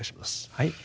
はい。